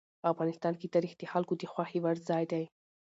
افغانستان کې تاریخ د خلکو د خوښې وړ ځای دی.